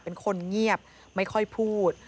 เป็นคนเงียบไม่ค่อยพูด